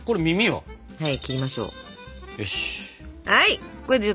はい。